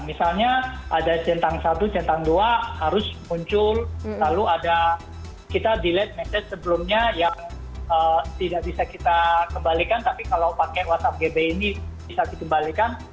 misalnya ada centang satu centang dua harus muncul lalu ada kita delate message sebelumnya yang tidak bisa kita kembalikan tapi kalau pakai whatsapp gb ini bisa dikembalikan